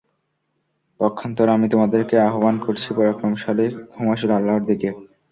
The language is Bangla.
পক্ষান্তরে আমি তোমাদেরকে আহ্বান করছি পরাক্রমশালী ক্ষমাশীল আল্লাহর দিকে।